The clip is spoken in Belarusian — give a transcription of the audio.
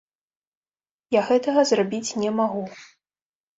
Я гэтага зрабіць не магу.